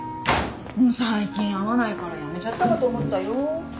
もう最近会わないから辞めちゃったかと思ったよ。